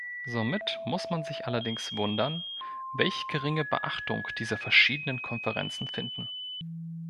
Somit muss man sich allerdings wundern, welch geringe Beachtung diese verschiedenen Konferenzen finden.